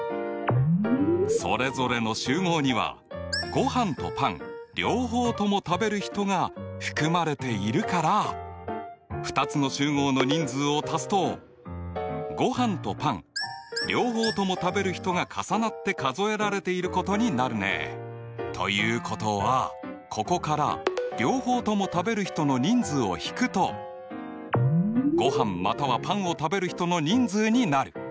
それぞれの集合にはごはんとパン両方とも食べる人が含まれているから２つの集合の人数を足すとごはんとパン両方とも食べる人が重なって数えられていることになるね。ということはここから両方とも食べる人の人数を引くとごはんまたはパンを食べる人の人数になる。